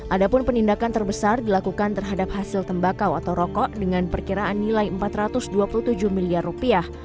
ada pun penindakan terbesar dilakukan terhadap hasil tembakau atau rokok dengan perkiraan nilai empat ratus dua puluh tujuh miliar rupiah